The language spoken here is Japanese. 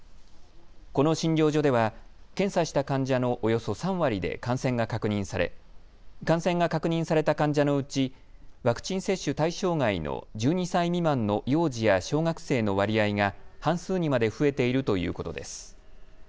この診療所では検査した患者のおよそ３割で感染が確認され感染が確認された患者のうちワクチン接種対象外の１２歳未満の幼児や小学生の割合が半数にまで増えているということです。